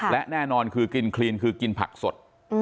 และแน่นอนคือกินคลีนคือกินผักสด